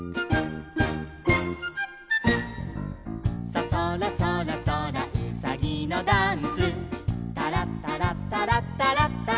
「ソソラソラソラうさぎのダンス」「タラッタラッタラッタラッタラッタラッタラ」